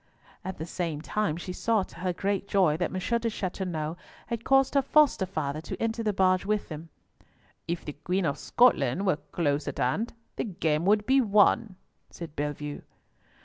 At the same time she saw, to her great joy, that M. de Chateauneuf had caused her foster father to enter the barge with them. "If the Queen of Scotland were close at hand, the game would be won," said Bellievre.